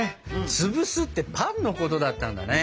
「つぶす」ってパンのことだったんだね。